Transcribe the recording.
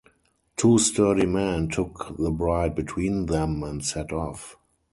Two sturdy men took the bride between them and set off.